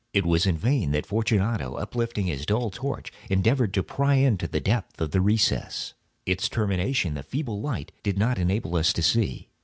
It was in vain that Fortunato, uplifting his dull torch, endeavored to pry into the depths of the recess. Its termination the feeble light did not enable us to see.